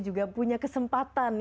juga punya kesempatan